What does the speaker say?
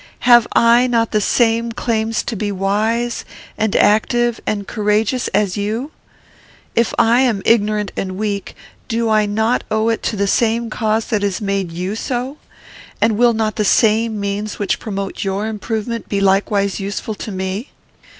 "Have I not the same claims to be wise, and active, and courageous, as you? If I am ignorant and weak, do I not owe it to the same cause that has made you so? and will not the same means which promote your improvement be likewise useful to me?